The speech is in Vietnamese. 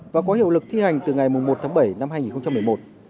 và có hiệu lực thi hành từ ngày một tháng bảy năm hai nghìn một mươi một